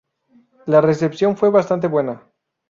La recepción fue bastante buena.